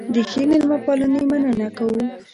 د ښې مېلمه پالنې مننه کوو.